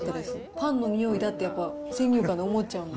パンの匂いだって先入観で思っちゃうんで。